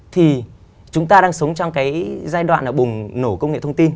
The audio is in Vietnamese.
thì chúng ta đang sống trong cái giai đoạn bùng nổ công nghệ thông tin